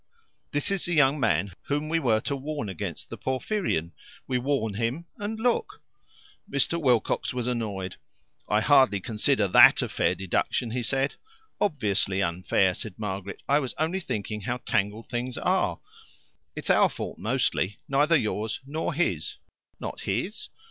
"This is the young man whom we were to warn against the Porphyrion. We warn him, and look!" Mr. Wilcox was annoyed. "I hardly consider that a fair deduction," he said. "Obviously unfair," said Margaret. "I was only thinking how tangled things are. It's our fault mostly neither yours nor his." "Not his?"